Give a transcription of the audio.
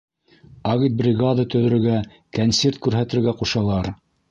Агитбригада төҙөргә, кәнсирт күрһәтергә ҡушалар.